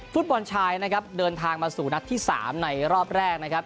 ฟุตบอลชายนะครับเดินทางมาสู่นัดที่๓ในรอบแรกนะครับ